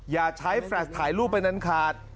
อย่าใช้แฟลชถ่ายรูปไปนานขาด